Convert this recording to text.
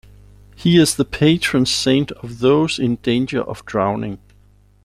He is the patron saint of those in danger of drowning.